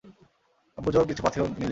Abu Zar কিছু পাথেয় নিলেন।